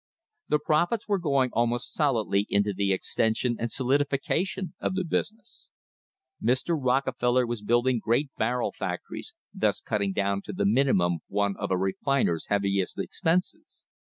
The profits were going almost solidly into the extension and solidification of the business. Mr. j Rockefeller was building great barrel factories, thus cutting down to the minimum one of a refiner's heaviest expenses.